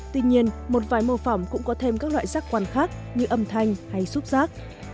tuy nhiên một vài mô phỏng cũng có thêm các loại rác quan khác như âm thanh hay xúc rác